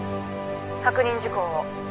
確認事項を。